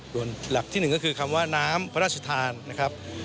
ส่วนหลักที่หนึ่งก็คือคำว่าน้ำพระราชทานนะครับ